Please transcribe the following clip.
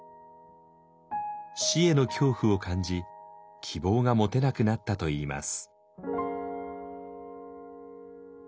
死への恐怖を感じ希望が持てなくなったといいます。